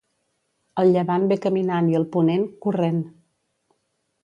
El llevant ve caminant i el ponent, corrent.